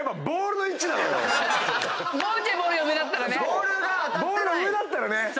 ボールが上だったらね。